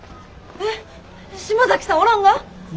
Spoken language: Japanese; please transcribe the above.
えっ島崎さんおらんが？